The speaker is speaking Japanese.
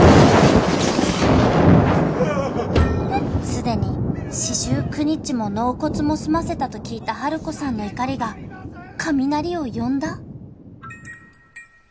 すでに四十九日も納骨も済ませたと聞いたハルコさんの怒りが雷を呼んだ！？